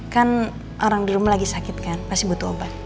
kan orang di rumah lagi sakit kan masih butuh obat